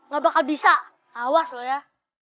gak bakal bisa awas loh ya